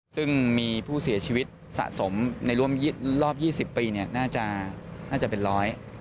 ซึ่งมีผู้เสียชีวิตสะสมในร่วมรอบ๒๐ปีเนี่ยน่าจะเป็นร้อย